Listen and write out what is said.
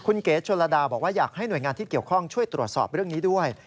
คุณเก๋ชนระดาบอกว่าอยากให้หน่วยงานที่เกี่ยวข้องช่วยตรวจสอบเรื่องนี้ด้วย